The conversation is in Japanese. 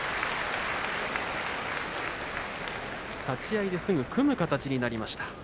立ち合いですぐ組む形になりました。